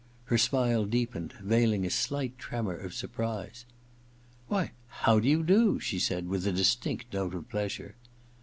Her smile deepened, veUing a slight tremor of surprise. * Why, how do you do ?' she said with a distinct note of pleasure.